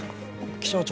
気象庁